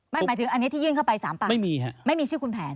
หมายถึงอันนี้ที่ยื่นเข้าไป๓ปากไม่มีฮะไม่มีชื่อคุณแผน